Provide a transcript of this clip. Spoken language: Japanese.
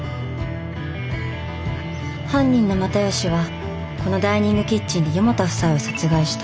犯人の又吉はこのダイニングキッチンで四方田夫妻を殺害した。